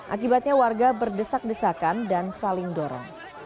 akibatnya warga berdesak desakan dan saling dorong